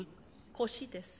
腰です